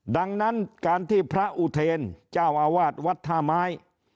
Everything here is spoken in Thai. ดังนั้นการที่พระอุเทรศ์เจ้าอาวาสวัฒน์ธ่ามาย